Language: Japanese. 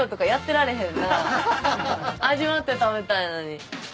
味わって食べたいのに。